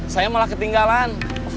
saya malah ketinggalan